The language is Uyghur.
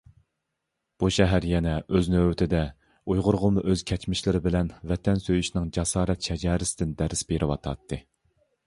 بۇ شەھەر يەنە ئۆز نۆۋىتىدە ئۇيغۇرغىمۇ ئۆز كەچمىشلىرى بىلەن ۋەتەن سۆيۈشنىڭ جاسارەت شەجەرىسىدىن دېرىس بېرىۋاتاتتى!